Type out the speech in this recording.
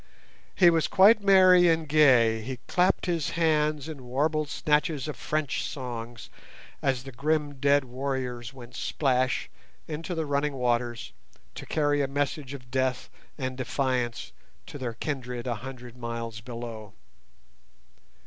He was quite merry and gay, he clapped his hands and warbled snatches of French songs as the grim dead warriors went "splash" into the running waters to carry a message of death and defiance to their kindred a hundred miles below.